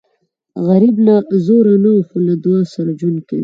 غریب له زوره نه خو له دعا سره ژوند کوي